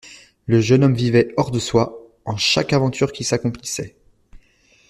Le jeune homme vivait, hors de soi, en chaque aventure qui s'accomplissait.